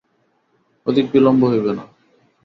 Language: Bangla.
অধিক বিলম্ব হইবে না।